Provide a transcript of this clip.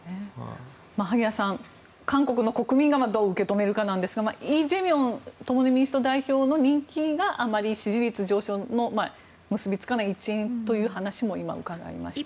萩谷さん、韓国の国民がどう受け止めるかなんですが共に民主党のイ・ジェミョン代表の人気があまり支持率上昇に結びつかない一因という話もありましたが。